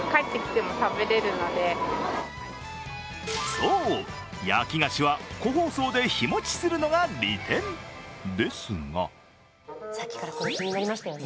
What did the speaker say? そう、焼き菓子は個包装で日持ちするのが利点、ですがさっきからこれ、気になりましたよね。